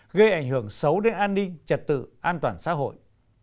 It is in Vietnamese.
gây ảnh hưởng xấu đến an ninh trật tự an toàn xã hội